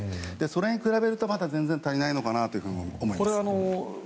それに比べるとまだ全然足りないと思います。